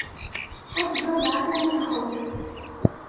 Хоть блеяти не захочуть